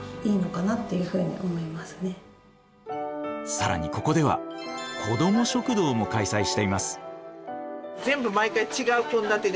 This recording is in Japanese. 更にここでは子ども食堂も開催しています。